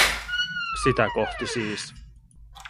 Sitä kohti siis.